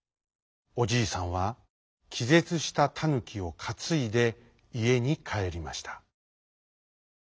おじいさんはきぜつしたタヌキをかついでいえにかえりました。